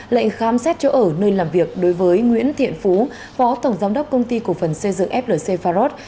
lệnh khám xét chỗ ở nơi làm việc đối với nguyễn thiện phú phó tổng giám đốc công ty cổ phần xây dựng flc pharos